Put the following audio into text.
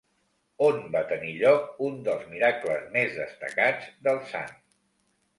On va tenir lloc un dels miracles més destacats del sant?